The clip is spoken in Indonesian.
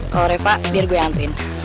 kalau repa biar gue anterin